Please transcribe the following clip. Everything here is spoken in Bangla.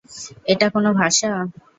এটা কোন ভাষা?